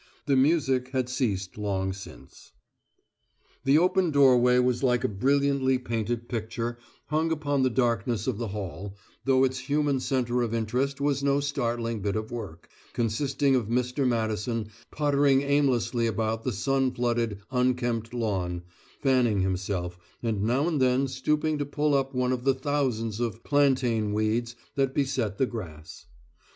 The music had ceased long since. The open doorway was like a brilliantly painted picture hung upon the darkness of the hall, though its human centre of interest was no startling bit of work, consisting of Mr. Madison pottering aimlessly about the sun flooded, unkempt lawn, fanning himself, and now and then stooping to pull up one of the thousands of plantain weeds that beset the grass.